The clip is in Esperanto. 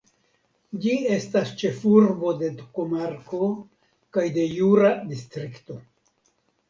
Ĝi estas ĉefurbo de komarko kaj de jura distrikto.